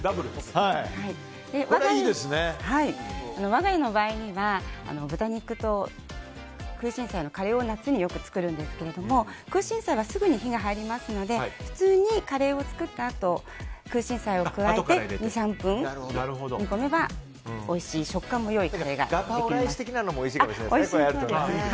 我が家の場合には豚肉と空心菜のカレーを夏によく作るんですけど空心菜はすぐに火が入りますので普通にカレーを作ったあと空心菜を加えて２３分煮込めばおいしい食感も良いカレーができます。